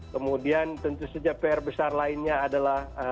kemudian tentu saja pr besar lainnya adalah